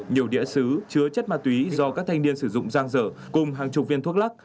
nhiều đĩa xứ chứa chất ma túy do các thanh niên sử dụng giang dở cùng hàng chục viên thuốc lắc